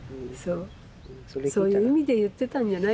そういう意味で言ってたんじゃないかなと思うよ。